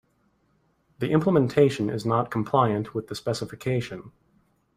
The implementation is not compliant with the specification.